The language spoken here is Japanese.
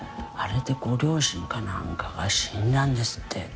あれでご両親かなんかが死んだんですって。